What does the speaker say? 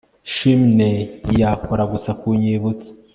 Chimney yakora gusa kunyibutsa